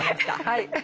はい。